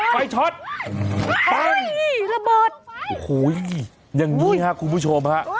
ไฟช็อตโอ้ยระเบิดโอ้ยอย่างนี้ฮะคุณผู้ชมฮะโอ้ย